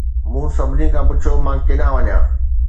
مون سڀني کان پڇيو، "مان ڪيڏانهن وڃان؟"